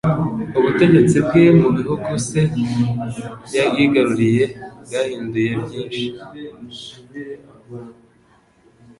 ubutegetsi bwe mu bihugu se yigaruriye bwahinduye byinshi